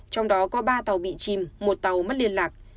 trong đó có ba tàu bị chìm một tàu mất liên lạc